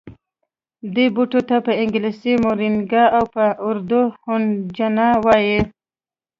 دې بوټي ته په انګلیسي مورینګا او په اردو سوهنجنا وايي